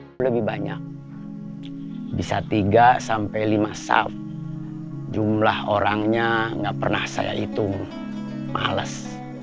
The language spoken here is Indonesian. hai lebih banyak bisa tiga sampai lima south jumlah orangnya nggak pernah saya itu males